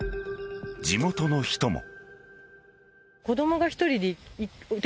地元の人も。